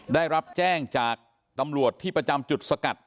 ได้รับแจ้งจากตำรวจที่ประจำจุดสกัด